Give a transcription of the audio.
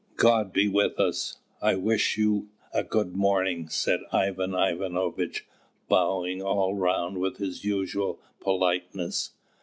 "God be with us! I wish you a good morning," said Ivan Ivanovitch, bowing all round with his usual politeness.